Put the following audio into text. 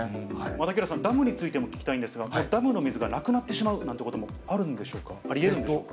木原さん、ダムについても聞きたいんですが、ダムの水がなくなってしまうなんてこともあるんでしょうか、ありえるんでしょうか。